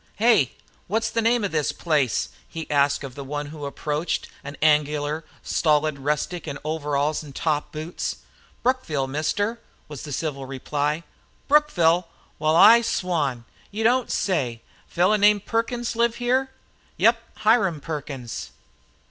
"Hey! What's the name of this place?" he asked of the one who approached, an angular, stolid rustic in overalls and top boots. "Brookville, mister," was the civil reply. "Brookville! Wal, I swan! You don't say! Fellow named Perkins live here?" "Yep. Hiram Perkins."